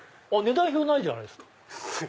値段表ないじゃないですか。